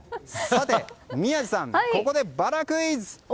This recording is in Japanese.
宮司さん、ここでバラクイズ！